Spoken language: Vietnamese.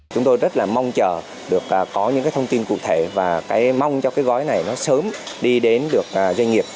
chúng tôi rất mong chờ có những thông tin cụ thể và mong cho gói này sớm đi đến doanh nghiệp